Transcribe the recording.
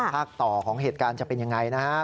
ภาคต่อของเหตุการณ์จะเป็นยังไงนะครับ